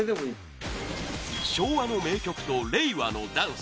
昭和の名曲と令和のダンス